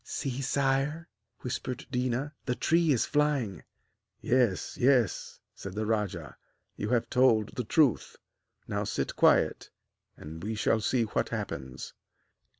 'See, sire,' whispered Déna, 'the tree is flying!' 'Yes, yes,' said the rajah, 'you have told the truth. Now sit quiet, and we shall see what happens.'